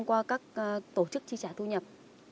qua các tổ chức chi trả thu nhập